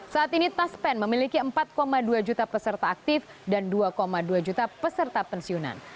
saat ini taspen memiliki empat dua juta peserta aktif dan dua dua juta peserta pensiunan